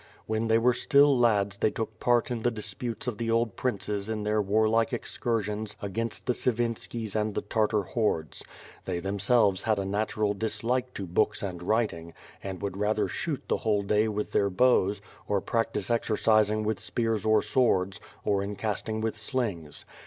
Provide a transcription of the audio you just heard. When they were still lads they took part in the disputes of the old princess in the warlike excur sions against the Sivinskis and the Tartar hordes. They themselves had a natural dislike to books and writing, and would rather shoot the whole day with their bows, or prac tice exercising with spears or swords, or in casting with slings.